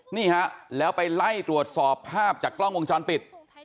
นี่ฮะแล้วไปไล่ตรวจสอบภาพจากกล้องวงจรปิด